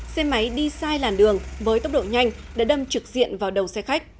xe máy đi sai làn đường với tốc độ nhanh đã đâm trực diện vào đầu xe khách